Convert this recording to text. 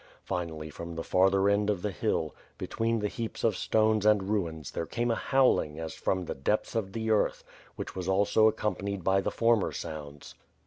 Finally, from the farther end of the hill, between the heaps of stones and ruins there came a howling as from the depths of the earth, which was also ac companied by the former sounds.